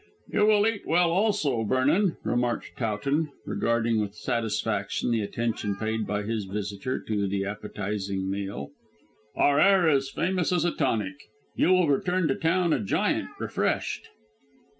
"You will eat well also, Vernon," remarked Towton, regarding with satisfaction the attention paid by his visitor to the appetising meal. "Our air is famous as a tonic. You will return to town a giant refreshed."